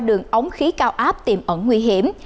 đường ống khí cao áp tìm ẩn nguy hiểm